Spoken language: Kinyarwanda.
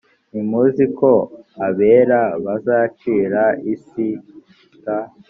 ntimuzi ko abera bazacira isi t